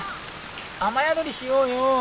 雨宿りしようよ」。